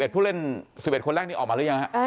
ผู้เล่น๑๑คนแรกนี้ออกมาหรือยังฮะ